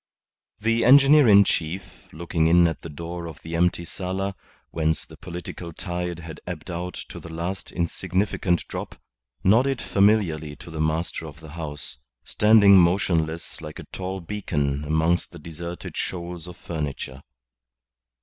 The engineer in chief, looking in at the door of the empty sala, whence the political tide had ebbed out to the last insignificant drop, nodded familiarly to the master of the house, standing motionless like a tall beacon amongst the deserted shoals of furniture.